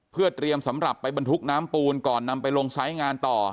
เพื่อเตรียมสำหรับไปบรรทุกน้ำปูนก่อนนำไปลงไซส์งานต่อ